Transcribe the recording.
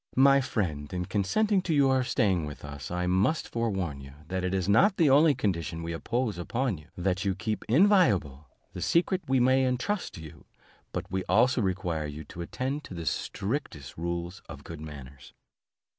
My friend, in consenting to your staying with us, I must forewarn you, that it is not the only condition we impose upon you that you keep inviolable the secret we may entrust to you, but we also require you to attend to the strictest rules of good manners."